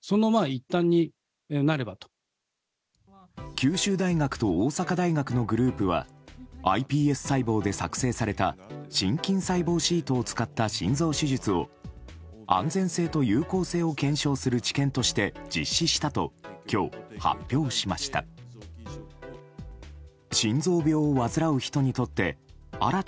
九州大学と大阪大学のグループはｉＰＳ細胞で作製された心筋細胞シートを使った心臓手術を安全性と有効性を検証する治験として実施したと今日、発表しました。